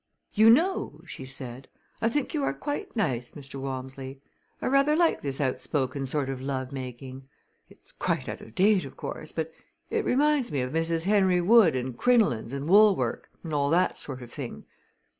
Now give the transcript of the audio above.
"You know," she said, "I think you are quite nice, Mr. Walmsley. I rather like this outspoken sort of love making. It's quite out of date, of course; but it reminds me of Mrs. Henry Wood and crinolines and woolwork, and all that sort of thing.